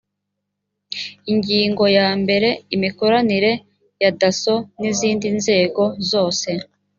ingingo ya mbere imikoranire ya dasso n izindi nzego zose